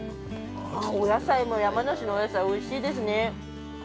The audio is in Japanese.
お野菜も、山梨のお野菜おいしいですね。